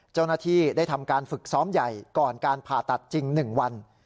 เจ้าหน้าที่ได้ทำการฝึกซ้อมใหญ่ก่อนการผ่าตัดจริง๑วัน